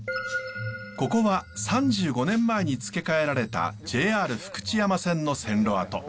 ここは３５年前につけ替えられたＪＲ福知山線の線路跡。